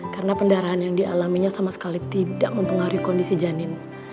karena pendarahan yang dialaminya sama sekali tidak mempengaruhi kondisi janin